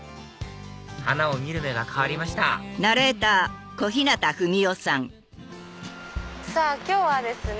花を見る目が変わりました今日はですね